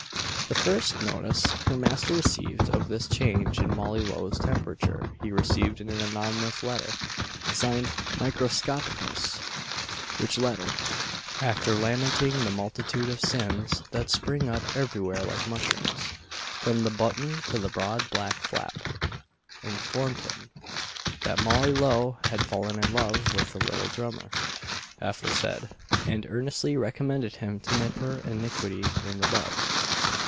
The first notice her master received of this change in Molly Lowe's temperature he received in an anonymous letter, signed "Microscopicus;" which letter after lamenting the multitude of sins that spring up everywhere like mushrooms from the button to the broad black flap, informed him that Molly Lowe had fallen in love with the little drummer aforesaid, and earnestly recommended him to nip her iniquity in the bud.